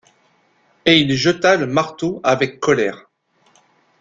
Et il jeta le marteau avec colère.